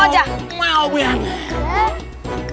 mau mau banget